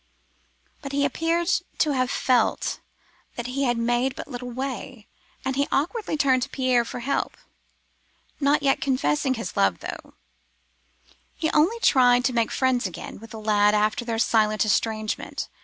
"But he appears to have felt that he had made but little way, and he awkwardly turned to Pierre for help—not yet confessing his love, though; he only tried to make friends again with the lad after their silent estrangement.